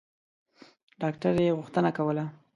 ډاکټر یې غوښتنه کوله.